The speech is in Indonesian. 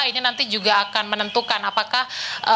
ini nanti juga akan menentukan apakah